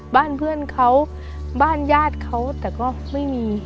บ้านเพื่อนเขาบ้านญาติเขาแต่ก็ไม่มี